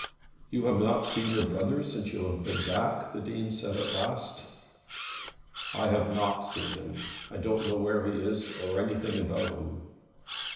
"You have not seen your brother since you have been back?" the Dean said at last. "I have not seen him. I don't know where he is, or anything about him."